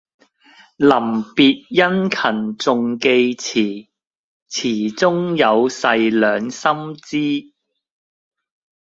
臨別殷勤重寄詞，詞中有誓兩心知。